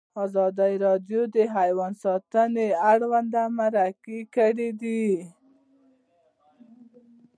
ازادي راډیو د حیوان ساتنه اړوند مرکې کړي.